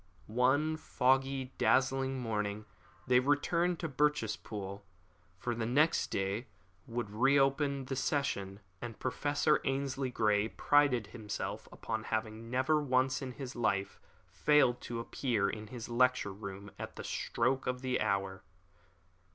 One foggy, drizzling morning they returned to Birchespool, for the next day would re open the session, and Professor Ainslie Grey prided himself upon having never once in his life failed to appear in his lecture room at the very stroke of the hour.